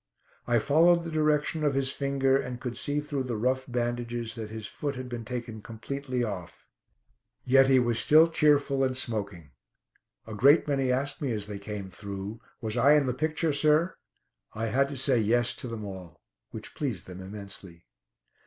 I followed the direction of his finger, and could see through the rough bandages that his foot had been taken completely off. Yet he was still cheerful, and smoking. A great many asked me as they came through: "Was I in the picture, sir?" I had to say "yes" to them all, which pleased them immensely.